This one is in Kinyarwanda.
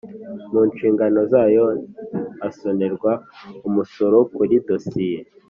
mu nshingano zayo asonerwa umusoro kuri dosiye